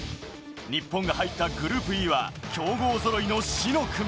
日本が入ったグループＥは強豪揃いの死の組。